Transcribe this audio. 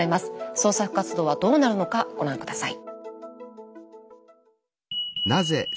捜索活動はどうなるのかご覧下さい。